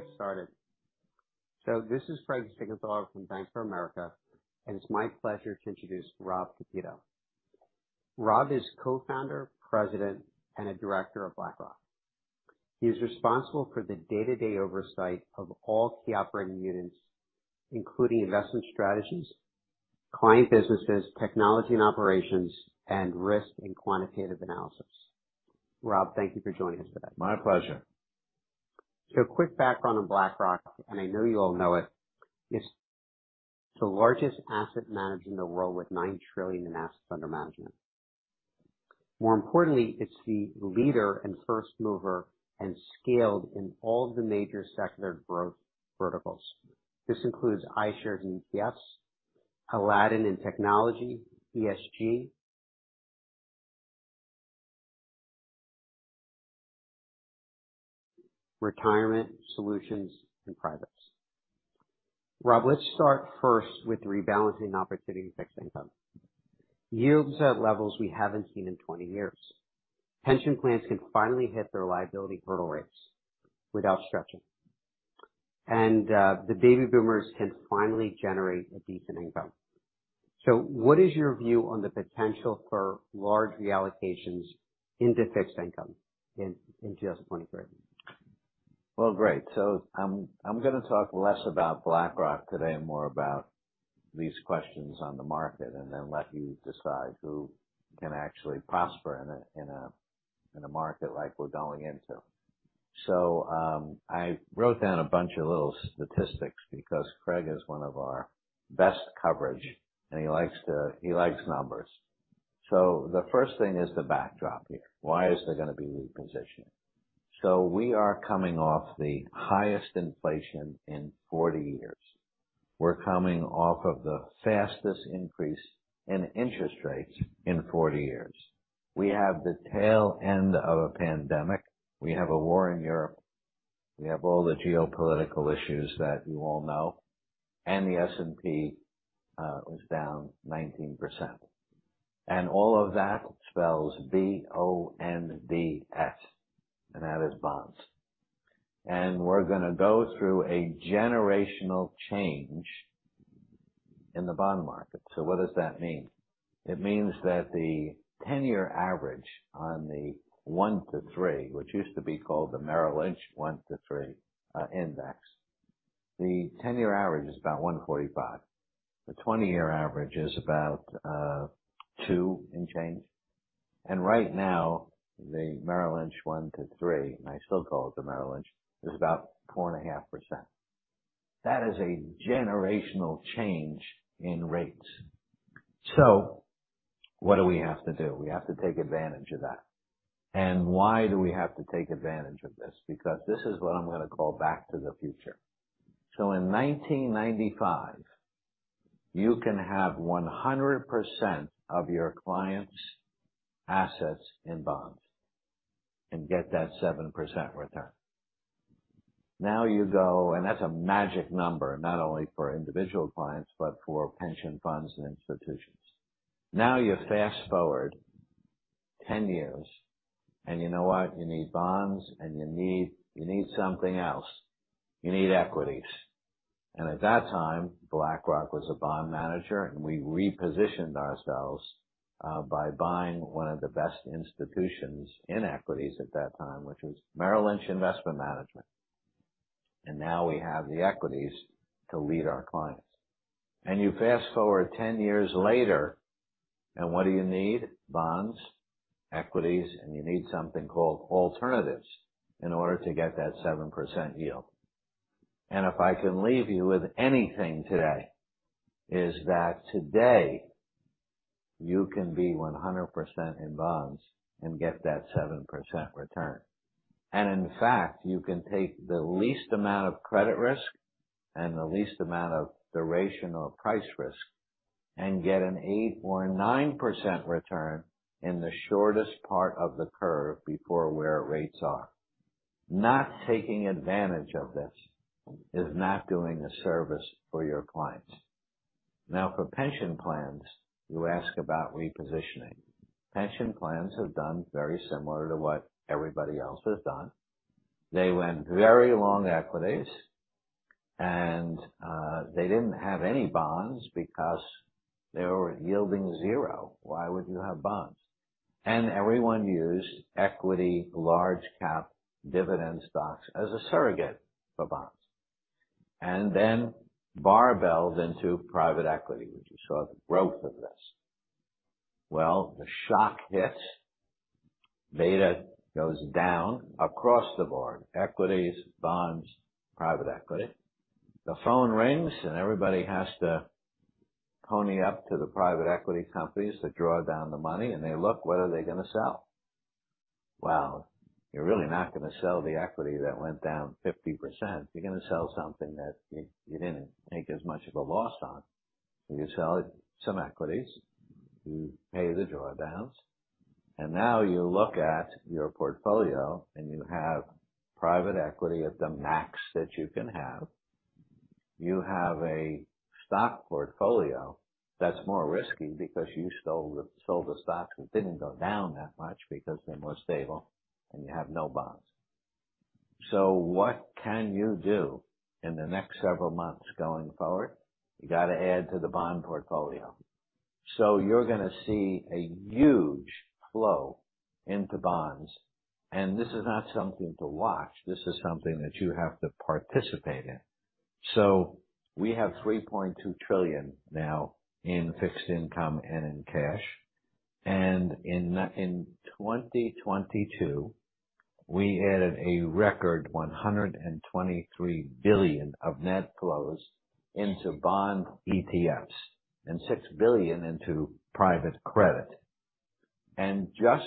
We'll get started. This is Craig Siegenthaler from Bank of America, and it's my pleasure to introduce Rob Kapito. Rob is Co-founder, President, and a Director of BlackRock. He is responsible for the day-to-day oversight of all key operating units, including investment strategies, client businesses, technology and operations, and risk and quantitative analysis. Rob, thank you for joining us today. My pleasure. Quick background on BlackRock, and I know you all know it. It's the largest asset manager in the world with $9 trillion in assets under management. More importantly, it's the leader and first mover and scaled in all of the major secular growth verticals. This includes iShares and ETFs, Aladdin and Technology, ESG, retirement, solutions, and privates. Rob, let's start first with rebalancing opportunity in fixed income. Yields at levels we haven't seen in 20 years. Pension plans can finally hit their liability hurdle rates without stretching. The baby boomers can finally generate a decent income. What is your view on the potential for large reallocations into fixed income in just 2023? Well, great. I'm gonna talk less about BlackRock today and more about these questions on the market and then let you decide who can actually prosper in a market like we're going into. I wrote down a bunch of little statistics because Craig is one of our best coverage, and he likes numbers. The first thing is the backdrop here. Why is there gonna be reposition? We are coming off the highest inflation in 40 years. We're coming off of the fastest increase in interest rates in 40 years. We have the tail end of a pandemic. We have a war in Europe. We have all the geopolitical issues that you all know. The S&P was down 19%. All of that spells B-O-N-D-S, and that is bonds. We're going to go through a generational change in the bond market. What does that mean? It means that the 10-year average on the 1-3, which used to be called the Merrill Lynch 1-3, index. The 10-year average is about 1.45%. The 20-year average is about 2% and change. Right now, the Merrill Lynch 1-3, and I still call it the Merrill Lynch, is about 4.5%. That is a generational change in rates. What do we have to do? We have to take advantage of that. Why do we have to take advantage of this? Because this is what I'm going to call back to the future. In 1995, you can have 100% of your clients' assets in bonds and get that 7% return. That's a magic number, not only for individual clients, but for pension funds and institutions. You fast-forward 10 years, and you know what? You need bonds, and you need something else. You need equities. At that time, BlackRock was a bond manager, and we repositioned ourselves by buying one of the best institutions in equities at that time, which was Merrill Lynch Investment Management. Now we have the equities to lead our clients. You fast-forward 10 years later, and what do you need? Bonds, equities, and you need something called alternatives in order to get that 7% yield. If I can leave you with anything today, is that today you can be 100% in bonds and get that 7% return. In fact, you can take the least amount of credit risk and the least amount of duration or price risk and get an 8% or 9% return in the shortest part of the curve before where rates are. Not taking advantage of this is not doing a service for your clients. Now, for pension plans, you ask about repositioning. Pension plans have done very similar to what everybody else has done. They went very long equities, and they didn't have any bonds because they were yielding 0. Why would you have bonds? Everyone used equity, large cap, dividend stocks as a surrogate for bonds. Barbells into private equity, which you saw the growth of this. Well, the shock hits. Beta goes down across the board, equities, bonds, private equity. The phone rings, everybody has to pony up to the private equity companies to draw down the money, they look, what are they gonna sell? Well, you're really not gonna sell the equity that went down 50%. You're gonna sell something that you didn't take as much of a loss on. You sell some equities, you pay the drawdowns, now you look at your portfolio, and you have private equity at the max that you can have. You have a stock portfolio that's more risky because you sold the stocks that didn't go down that much because they're more stable and you have no bonds. What can you do in the next several months going forward? You got to add to the bond portfolio. You're gonna see a huge flow into bonds. This is not something to watch. This is something that you have to participate in. We have $3.2 trillion now in fixed income and in cash. In 2022, we added a record $123 billion of net flows into bond ETFs and $6 billion into private credit. Just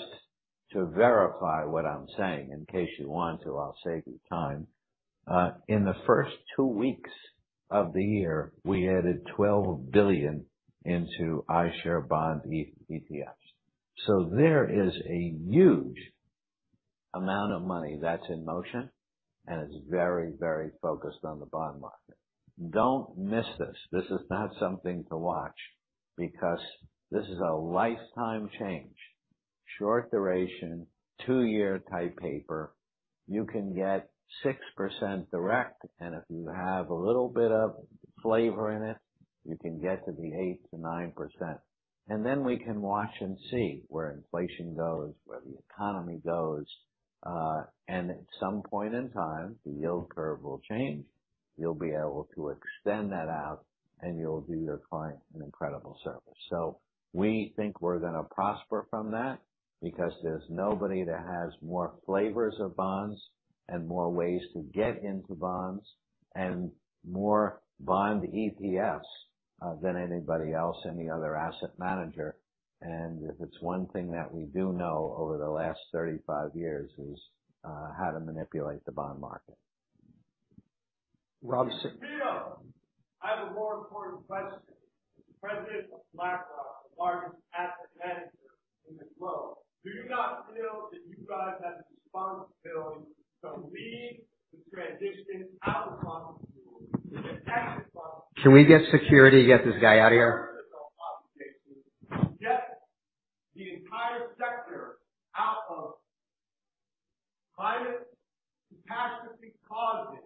to verify what I'm saying, in case you want to, I'll save you time. In the first 2 weeks of the year, we added $12 billion into iShares bond ETFs. There is a huge amount of money that's in motion, and it's very, very focused on the bond market. Don't miss this. This is not something to watch because this is a lifetime change. Short duration, 2-year type paper. You can get 6% direct, and if you have a little bit of flavor in it, you can get to the 8%-9%. We can watch and see where inflation goes, where the economy goes. At some point in time, the yield curve will change. You'll be able to extend that out, and you'll do your client an incredible service. We think we're gonna prosper from that because there's nobody that has more flavors of bonds and more ways to get into bonds and more bond ETFs than anybody else, any other asset manager. If it's one thing that we do know over the last 35 years is how to manipulate the bond market. Rob I have a more important question. As the President of BlackRock, the largest asset manager in the globe, do you know feel that you guys have a responsibility to lead the transition out of fossil fuels and to exit fossil fuels? Can we get security to get this guy out of here? personal obligation to get the entire sector out of climate catastrophically causing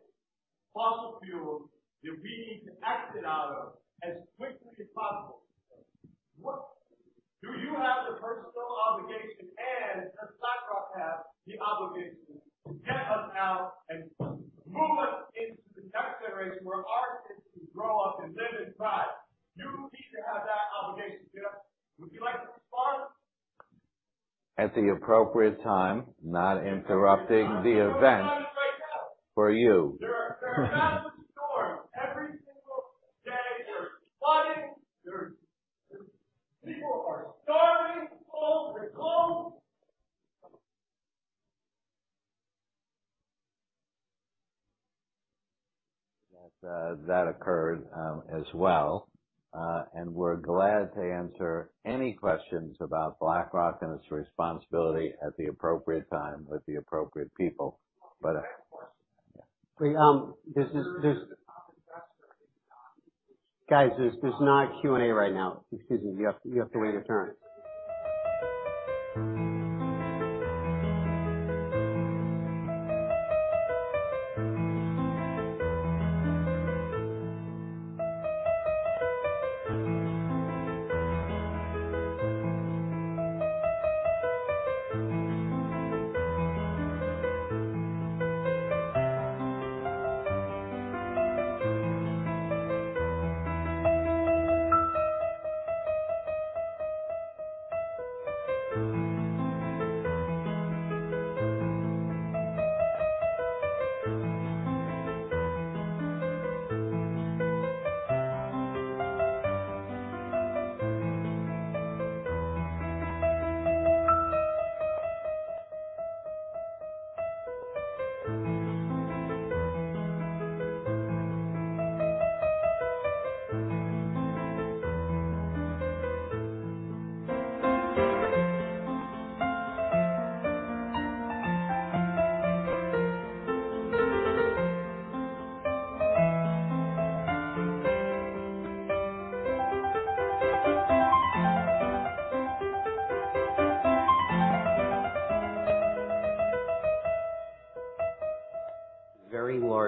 fossil fuels that we need to exit out of as quickly as possible. Do you have the personal obligation, and does BlackRock have the obligation to get us out and move us into the next generation where our kids can grow up and live in pride? You need to have that obligation, Jim. Would you like to respond? At the appropriate time, not interrupting the event- You're interrupting us right now. for you. They're about to storm every single day. They're flooding. People are starving, cold. That occurred as well. We're glad to answer any questions about BlackRock and its responsibility at the appropriate time with the appropriate people. But. We, Guys, there's not a Q&A right now. Excuse me. You have to wait your turn.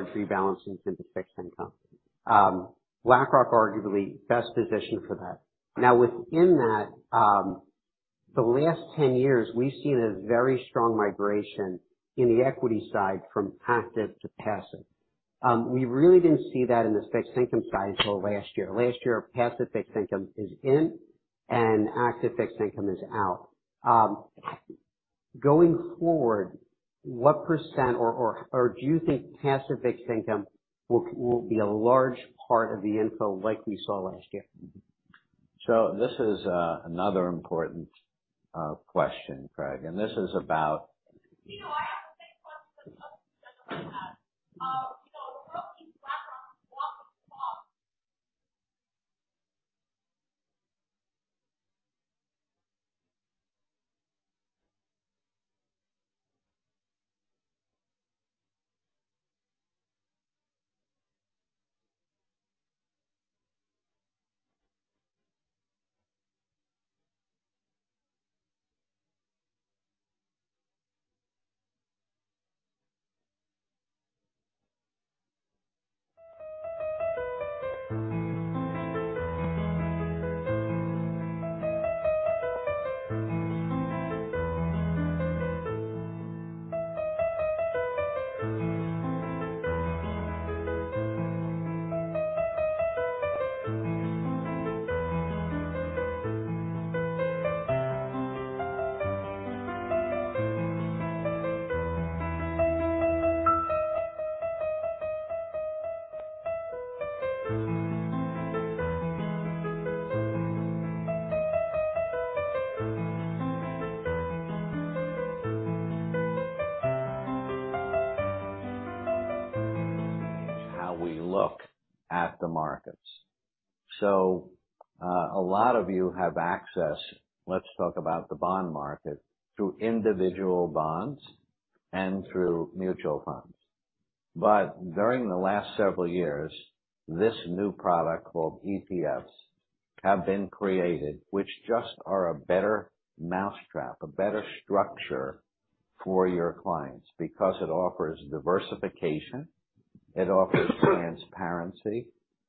Very large rebalancing into fixed income. BlackRock arguably best positioned for that. Now, within that, the last 10 years, we've seen a very strong migration in the equity side from active to passive. We really didn't see that in the fixed income side until last year. Last year, passive fixed income is in and active fixed income is out. Going forward, what % or do you think passive fixed income will be a large part of the inflow like we saw last year? This is another important question, Craig. How we look at the markets. A lot of you have access, let's talk about the bond market, through individual bonds and through mutual funds. During the last several years, this new product called ETFs have been created, which just are a better mousetrap, a better structure for your clients because it offers diversification, it offers transparency,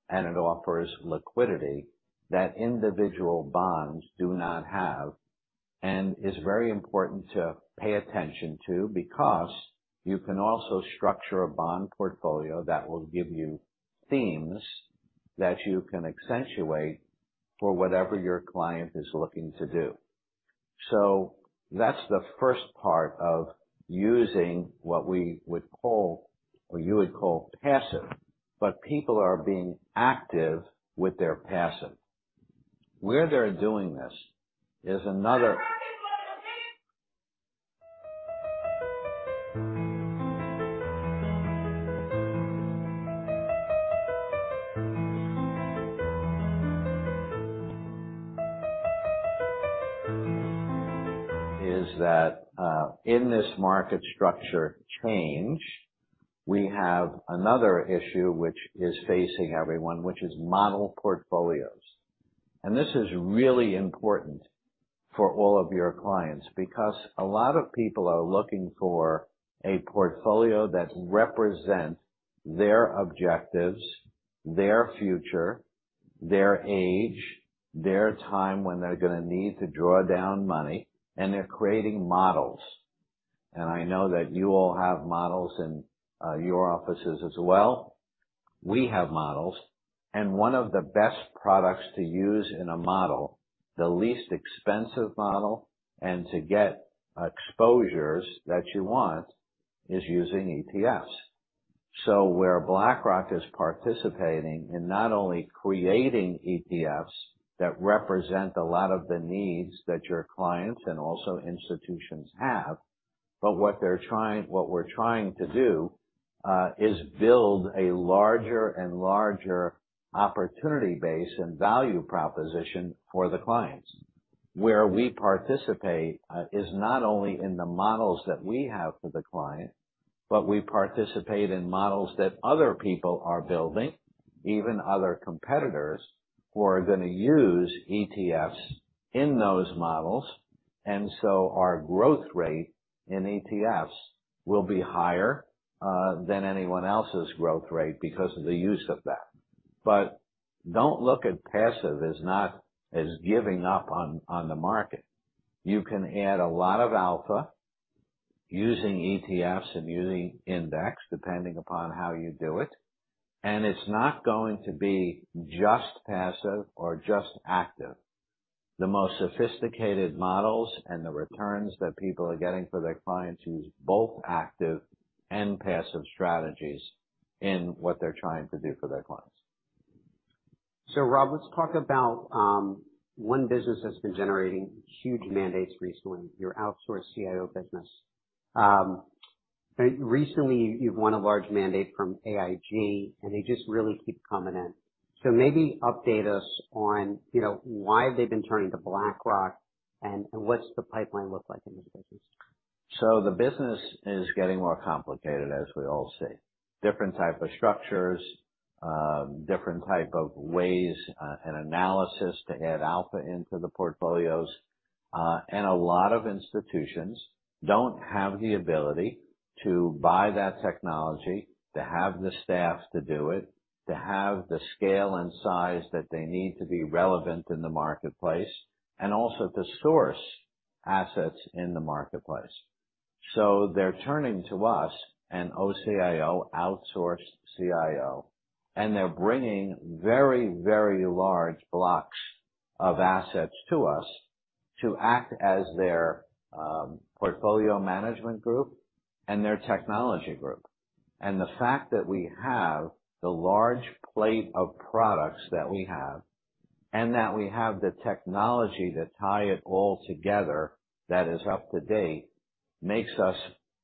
and it offers liquidity that individual bonds do not have, and is very important to pay attention to because you can also structure a bond portfolio that will give you themes that you can accentuate for whatever your client is looking to do. That's the first part of using what we would call, or you would call passive. People are being active with their passive. Where they're doing this in this market structure change, we have another issue which is facing everyone, which is model portfolios. This is really important for all of your clients because a lot of people are looking for a portfolio that represents their objectives, their future, their age, their time when they're gonna need to draw down money, and they're creating models. I know that you all have models in your offices as well. We have models. One of the best products to use in a model, the least expensive model, and to get exposures that you want is using ETFs. Where BlackRock is participating in not only creating ETFs that represent a lot of the needs that your clients and also institutions have, but what we're trying to do is build a larger and larger opportunity base and value proposition for the clients. Where we participate is not only in the models that we have for the client, but we participate in models that other people are building, even other competitors who are gonna use ETFs in those models. Our growth rate in ETFs will be higher than anyone else's growth rate because of the use of that. Don't look at passive as giving up on the market. You can add a lot of alpha using ETFs and using index, depending upon how you do it. It's not going to be just passive or just active. The most sophisticated models and the returns that people are getting for their clients use both active and passive strategies in what they're trying to do for their clients. Rob, let's talk about one business that's been generating huge mandates recently, your outsourced CIO business. Recently, you've won a large mandate from AIG, and they just really keep coming in. Maybe update us on, you know, why have they been turning to BlackRock and what's the pipeline look like in this business? The business is getting more complicated, as we all see. Different type of structures, different type of ways, and analysis to add alpha into the portfolios. A lot of institutions don't have the ability to buy that technology, to have the staff to do it, to have the scale and size that they need to be relevant in the marketplace, and also to source assets in the marketplace. They're turning to us and OCIO, outsourced CIO, and they're bringing very large blocks of assets to us to act as their portfolio management group and their technology group. The fact that we have the large plate of products that we have and that we have the technology to tie it all together that is up to date, makes us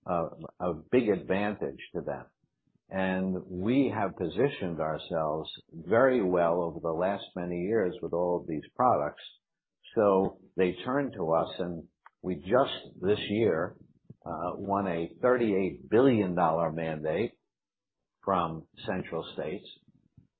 a big advantage to them. We have positioned ourselves very well over the last many years with all of these products. They turn to us, and we just this year, won a $38 billion mandate from Central States.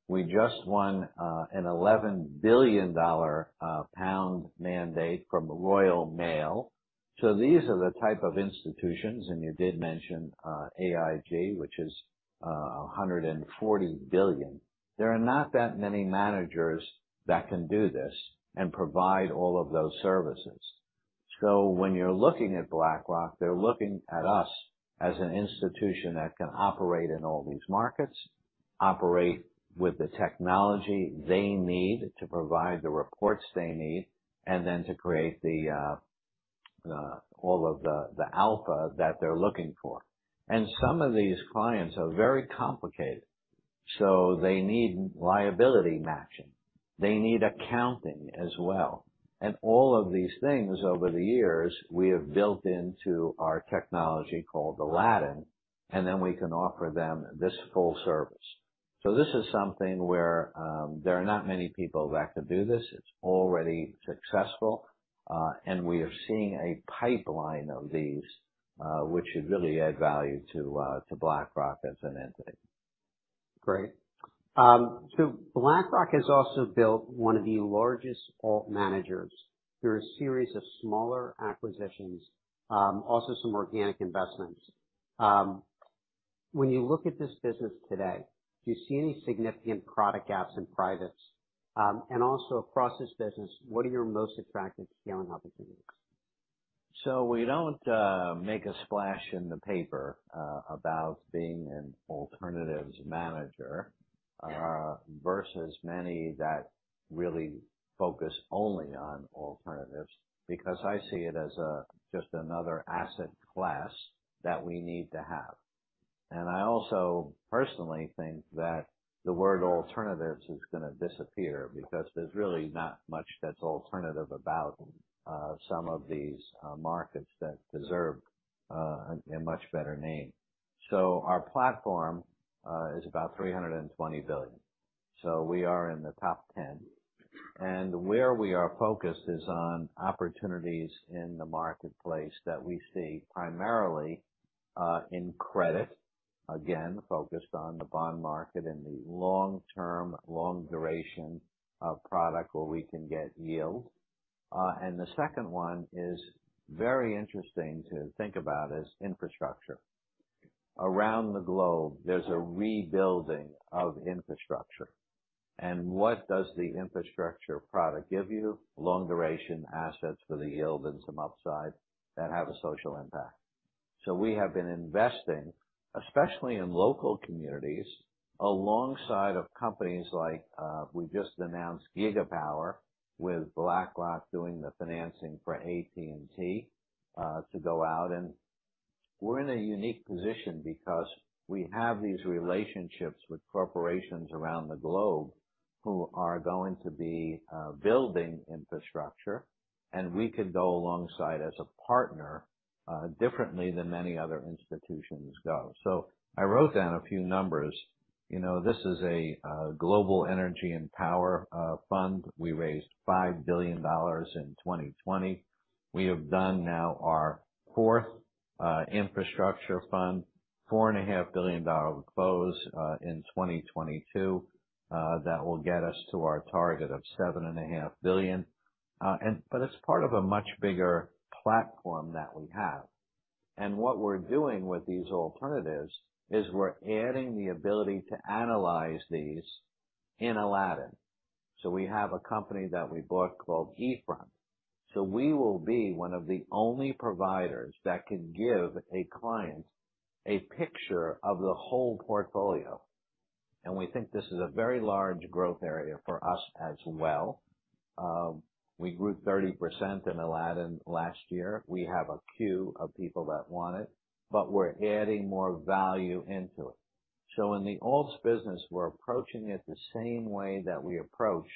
We just won, a 11 billion pound mandate from Royal Mail. These are the type of institutions, and you did mention, AIG, which is, a $140 billion. There are not that many managers that can do this and provide all of those services. When you're looking at BlackRock, they're looking at us as an institution that can operate in all these markets, operate with the technology they need to provide the reports they need, and then to create the, all of the alpha that they're looking for. Some of these clients are very complicated, so they need liability matching. They need accounting as well. All of these things over the years, we have built into our technology called Aladdin, and then we can offer them this full service. This is something where there are not many people that can do this. It's already successful, and we are seeing a pipeline of these, which should really add value to BlackRock as an entity. Great. BlackRock has also built one of the largest alt managers through a series of smaller acquisitions, also some organic investments. When you look at this business today, do you see any significant product gaps in privates? Across this business, what are your most attractive scaling opportunities? We don't make a splash in the paper about being an alternatives manager versus many that really focus only on alternatives, because I see it as just another asset class that we need to have. I also personally think that the word alternatives is gonna disappear because there's really not much that's alternative about some of these markets that deserve a much better name. Our platform is about $320 billion. We are in the top 10. Where we are focused is on opportunities in the marketplace that we see primarily in credit, again, focused on the bond market and the long-term, long duration of product where we can get yield. The second one is very interesting to think about, is infrastructure. Around the globe, there's a rebuilding of infrastructure, and what does the infrastructure product give you? Long duration assets for the yield and some upside that have a social impact. We have been investing, especially in local communities, alongside of companies like, we just announced Gigapower with BlackRock doing the financing for AT&T to go out. We're in a unique position because we have these relationships with corporations around the globe who are going to be building infrastructure, and we can go alongside as a partner differently than many other institutions go. I wrote down a few numbers. This is a global energy and power fund. We raised $5 billion in 2020. We have done now our fourth infrastructure fund, $4.5 billion close in 2022. That will get us to our target of $7.5 billion. But it's part of a much bigger platform that we have. What we're doing with these alternatives is we're adding the ability to analyze these in Aladdin. We have a company that we bought called eFront. We will be one of the only providers that can give a client a picture of the whole portfolio. We think this is a very large growth area for us as well. We grew 30% in Aladdin last year. We have a queue of people that want it, but we're adding more value into it. In the alts business, we're approaching it the same way that we approached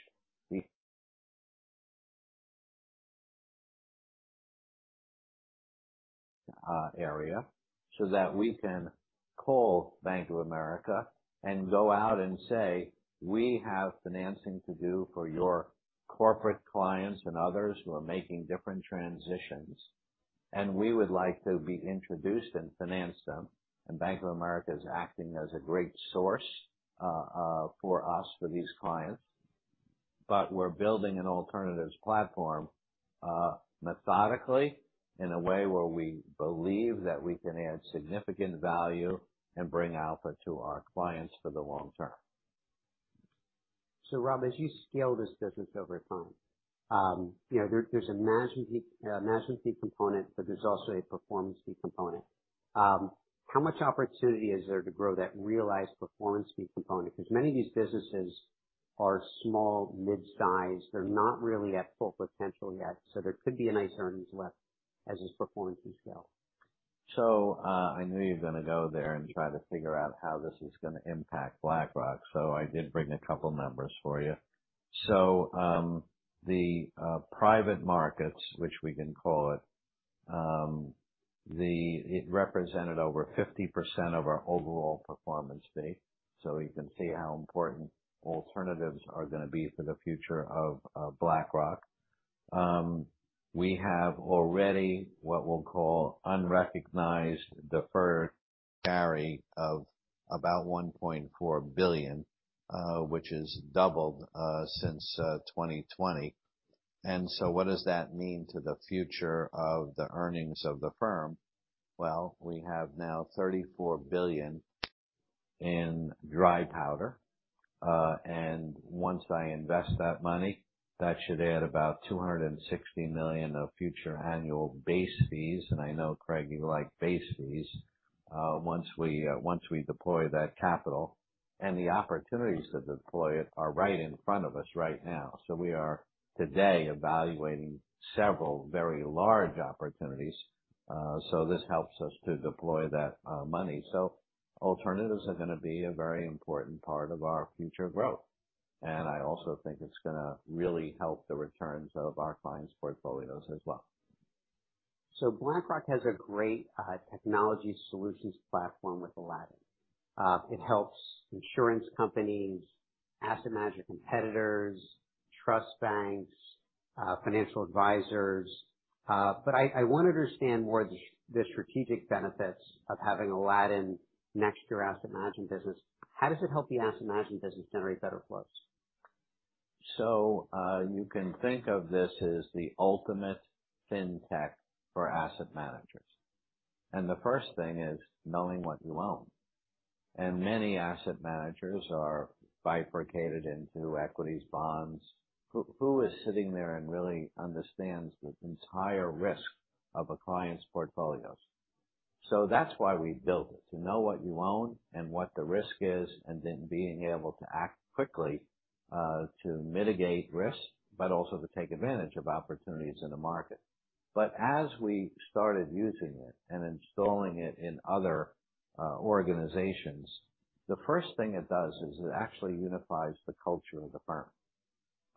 the area, so that we can call Bank of America and go out and say, "We have financing to do for your corporate clients and others who are making different transitions, and we would like to be introduced and finance them." Bank of America is acting as a great source for us, for these clients. We're building an alternatives platform methodically in a way where we believe that we can add significant value and bring alpha to our clients for the long term. Rob, as you scale this business over time, you know, there's a management fee component, but there's also a performance fee component. How much opportunity is there to grow that realized performance fee component? Because many of these businesses are small, mid-size. They're not really at full potential yet, so there could be a nice earnings lift as this performance fee scales. I knew you were gonna go there and try to figure out how this is gonna impact BlackRock, so I did bring a couple numbers for you. The private markets, which we can call it represented over 50% of our overall performance fee. You can see how important alternatives are going to be for the future of BlackRock. We have already what we'll call unrecognized deferred carry of about $1.4 billion, which has doubled since 2020. What does that mean to the future of the earnings of the firm? We have now $34 billion in dry powder. Once I invest that money, that should add about $260 million of future annual base fees. I know, Craig, you like base fees. Once we deploy that capital and the opportunities to deploy it are right in front of us right now. We are today evaluating several very large opportunities. This helps us to deploy that money. Alternatives are going to be a very important part of our future growth. I also think it's going to really help the returns of our clients' portfolios as well. BlackRock has a great technology solutions platform with Aladdin. It helps insurance companies, asset manager competitors, trust banks, financial advisors. I want to understand more the strategic benefits of having Aladdin next to your asset management business. How does it help the asset management business generate better flows? You can think of this as the ultimate fintech for asset managers. The first thing is knowing what you own. Many asset managers are bifurcated into equities, bonds. Who is sitting there and really understands the entire risk of a client's portfolios? That's why we built it, to know what you own and what the risk is, and then being able to act quickly, to mitigate risk, but also to take advantage of opportunities in the market. As we started using it and installing it in other organizations, the first thing it does is it actually unifies the culture of the firm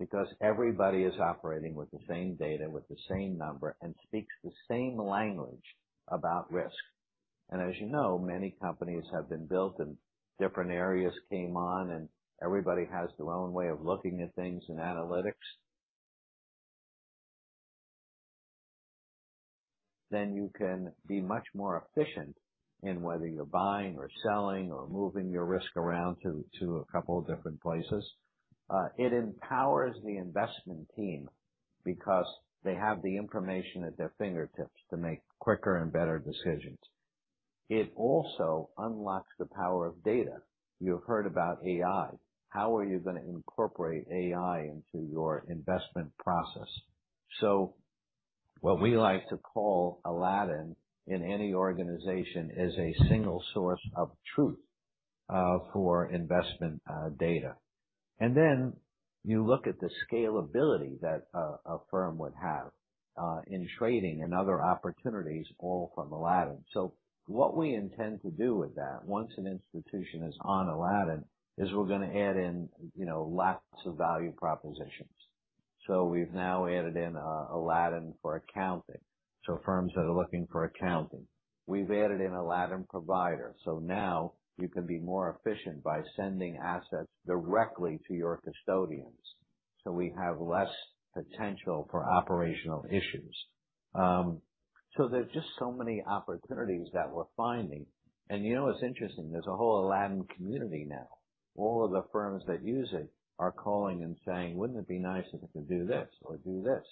because everybody is operating with the same data, with the same number, and speaks the same language about risk. As you know, many companies have been built and different areas came on, and everybody has their own way of looking at things in analytics. You can be much more efficient in whether you're buying or selling or moving your risk around to a couple of different places. It empowers the investment team because they have the information at their fingertips to make quicker and better decisions. It also unlocks the power of data. You've heard about AI. How are you going to incorporate AI into your investment process? What we like to call Aladdin in any organization is a single source of truth for investment data. Then you look at the scalability that a firm would have in trading and other opportunities, all from Aladdin. What we intend to do with that, once an institution is on Aladdin, is we're going to add in, you know, lots of value propositions. We've now added in Aladdin for accounting, so firms that are looking for accounting. We've added in Aladdin Provider. Now you can be more efficient by sending assets directly to your custodians, so we have less potential for operational issues. There's just so many opportunities that we're finding. You know what's interesting, there's a whole Aladdin community now. All of the firms that use it are calling and saying, "Wouldn't it be nice if it could do this or do this?"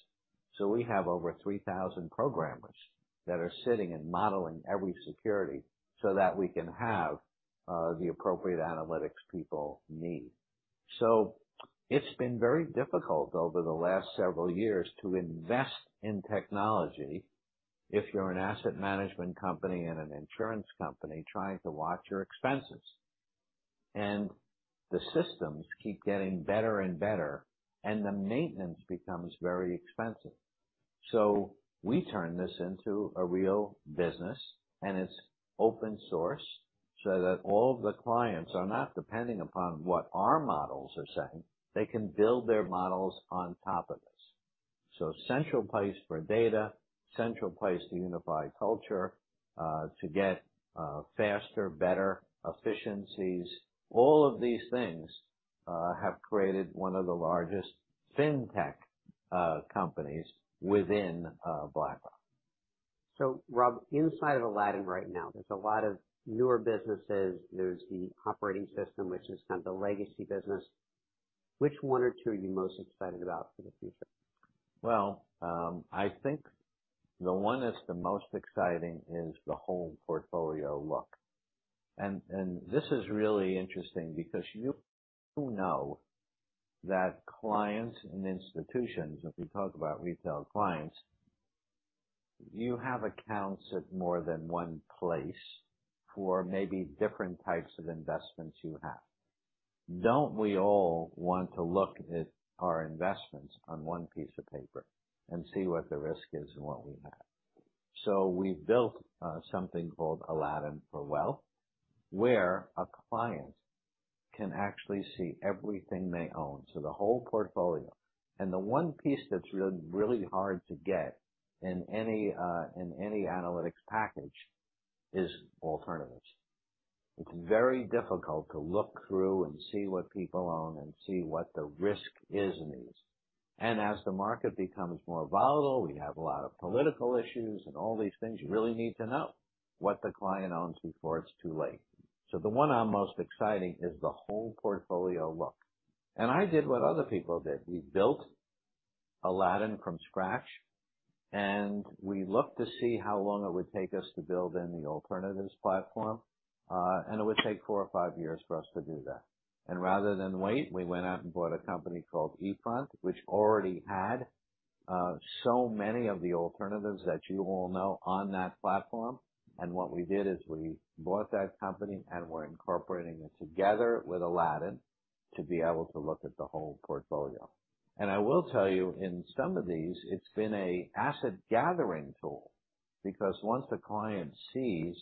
We have over 3,000 programmers that are sitting and modeling every security so that we can have the appropriate analytics people need. It's been very difficult over the last several years to invest in technology if you're an asset management company and an insurance company trying to watch your expenses. The systems keep getting better and better, and the maintenance becomes very expensive. We turn this into a real business, and it's open source so that all the clients are not depending upon what our models are saying. They can build their models on top of this. Central place for data, central place to unify culture, to get faster, better efficiencies. All of these things have created one of the largest fintech companies within BlackRock. Rob, inside of Aladdin right now, there's a lot of newer businesses. There's the operating system, which is kind of the legacy business. Which one or two are you most excited about for the future? Well, I think the one that's the most exciting is the home portfolio look. This is really interesting because you know that clients and institutions, if we talk about retail clients, you have accounts at more than one place for maybe different types of investments you have. Don't we all want to look at our investments on one piece of paper and see what the risk is and what we have? We've built something called Aladdin for Wealth, where a client can actually see everything they own, so the whole portfolio. The one piece that's really hard to get in any in any analytics package is alternatives. It's very difficult to look through and see what people own and see what the risk is in these. As the market becomes more volatile, we have a lot of political issues and all these things, you really need to know what the client owns before it's too late. The one I'm most exciting is the whole portfolio look. I did what other people did. We built Aladdin from scratch, and we looked to see how long it would take us to build in the alternatives platform. It would take 4 or 5 years for us to do that. Rather than wait, we went out and bought a company called eFront, which already had so many of the alternatives that you all know on that platform. What we did is we bought that company, and we're incorporating it together with Aladdin to be able to look at the whole portfolio. I will tell you, in some of these, it's been a asset gathering tool because once the client sees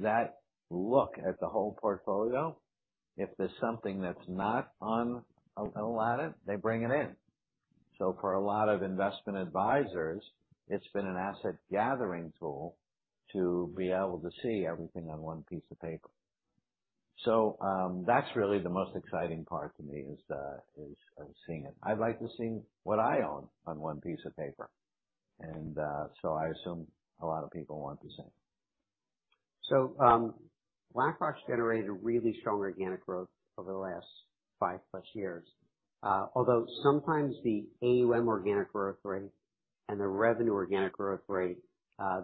that look at the whole portfolio, if there's something that's not on Aladdin, they bring it in. For a lot of investment advisors, it's been an asset gathering tool to be able to see everything on one piece of paper. That's really the most exciting part to me, is seeing it. I'd like to see what I own on one piece of paper. I assume a lot of people want the same. BlackRock's generated really strong organic growth over the last 5+ years. Although sometimes the AUM organic growth rate and the revenue organic growth rate,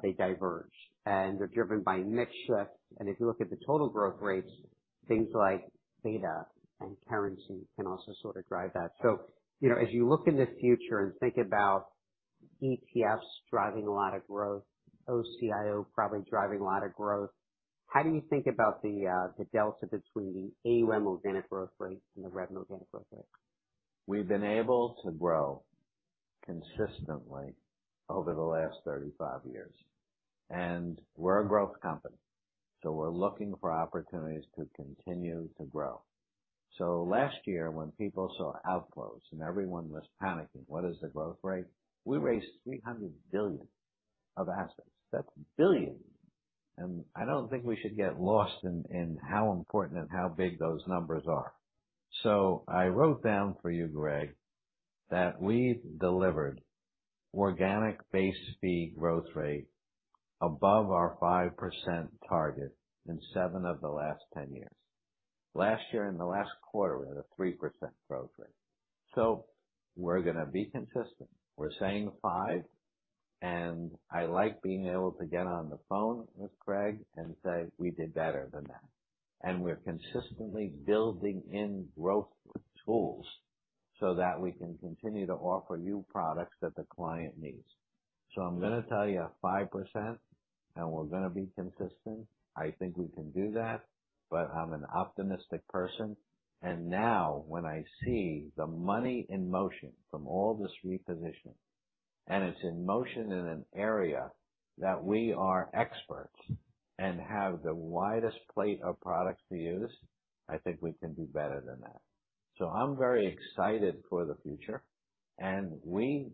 they diverge and they're driven by mix shift. If you look at the total growth rates, things like beta and currency can also sort of drive that. As you look in the future and think about ETFs driving a lot of growth, OCIO probably driving a lot of growth, how do you think about the delta between the AUM organic growth rate and the revenue organic growth rate? We've been able to grow consistently over the last 35 years. We're a growth company, so we're looking for opportunities to continue to grow. Last year, when people saw outflows and everyone was panicking, what is the growth rate? We raised $300 billion of assets. That's billion. I don't think we should get lost in how important and how big those numbers are. I wrote down for you, Craig, that we've delivered organic base fee growth rate above our 5% target in seven of the last 10 years. Last year, in the last quarter, we had a 3% growth rate. We're gonna be consistent. We're saying 5%. I like being able to get on the phone with Craig and say, "We did better than that." We're consistently building in growth tools so that we can continue to offer new products that the client needs. I'm gonna tell you 5%, and we're gonna be consistent. I think we can do that. I'm an optimistic person. Now when I see the money in motion from all this repositioning, and it's in motion in an area that we are experts and have the widest plate of products to use, I think we can do better than that. I'm very excited for the future and we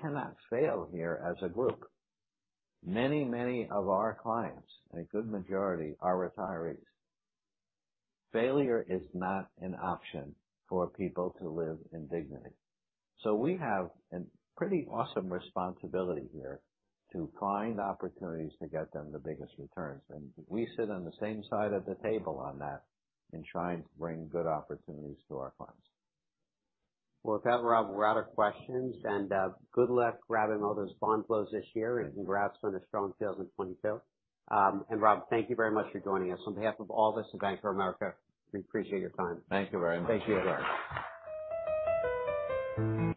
cannot fail here as a group. Many of our clients, a good majority are retirees. Failure is not an option for people to live in dignity. We have a pretty awesome responsibility here to find opportunities to get them the biggest returns. We sit on the same side of the table on that in trying to bring good opportunities to our clients. Well, with that, Rob, we're out of questions. Good luck grabbing all those bond flows this year, and congrats on a strong sales in 2022. Rob, thank you very much for joining us. On behalf of all of us at Bank of America, we appreciate your time. Thank you very much. Thank you.